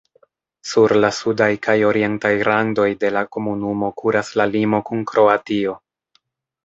Sur la sudaj kaj orientaj randoj de la komunumo kuras la limo kun Kroatio.